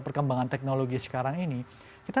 perkembangan teknologi sekarang ini kita